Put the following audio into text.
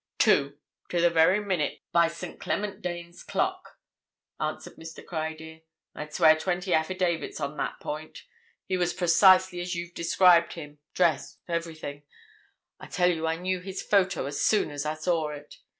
"Two—to the very minute by St. Clement Danes clock," answered Mr. Criedir. "I'd swear twenty affidavits on that point. He was precisely as you've described him—dress, everything—I tell you I knew his photo as soon as I saw it.